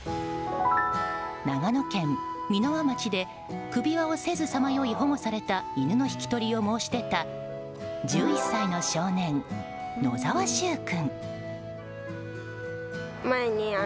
長野県箕輪町で首輪をせずさまよい保護された犬の引き取りを申し出た１１歳の少年、野沢柊君。